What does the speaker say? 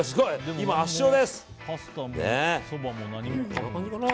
今、圧勝です。